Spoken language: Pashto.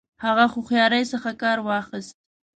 هغه هوښیاري څخه کار واخیست.